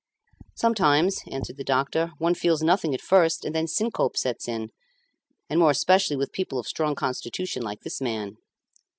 "Sometimes," answered the doctor, "one feels nothing at first, and then syncope sets in, and more especially with people of strong constitution like this man."